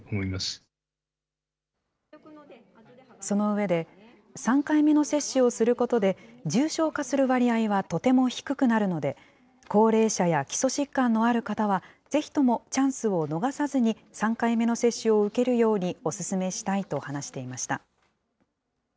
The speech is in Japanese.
その上で、３回目の接種をすることで、重症化する割合はとても低くなるので、高齢者や基礎疾患のある方は、ぜひともチャンスを逃さずに、３回目の接種を受けるようにお勧めしたいと話していました。